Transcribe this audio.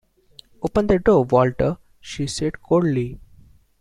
“Open the door, Walter,” she said coldly.